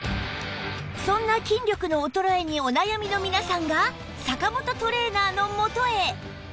そんな筋力の衰えにお悩みのみなさんが坂本トレーナーの元へ